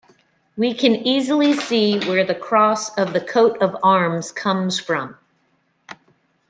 We can easily see where the cross of the coat of arms comes from.